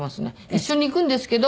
一緒に行くんですけど。